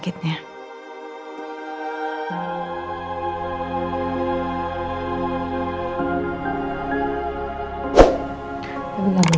kita mulai dengan liburan